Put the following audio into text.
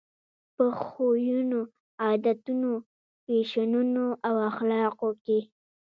په خویونو، عادتونو، فیشنونو او اخلاقو کې.